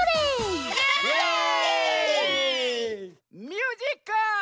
ミュージック。